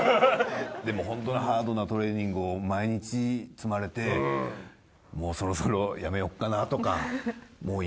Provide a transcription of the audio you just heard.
でもホントにハードなトレーニングを毎日積まれてもうそろそろ辞めようかなとかもう引退かなとか。